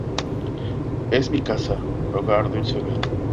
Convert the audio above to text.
es mi casa. hogar, dulce hogar .